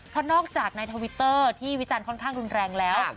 เพราะนอกจากในทวิตเตอร์ที่วิจารณ์ค่อนข้างรุนแรงแล้ว